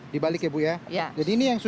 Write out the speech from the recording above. dibalik lagi ya nanti ya bu